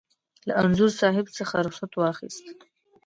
له انځور صاحب څخه رخصت واخیست.